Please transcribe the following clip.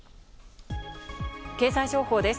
経済情報です。